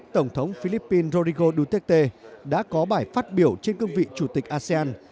tổng thống philippines rodrigo duterte đã có bài phát biểu trên cương vị chủ tịch asean